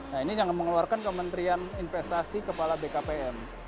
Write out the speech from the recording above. nah ini yang mengeluarkan kementrian investasi kepala bkpm